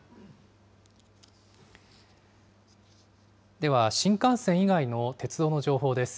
では、新幹線以外の鉄道の情報です。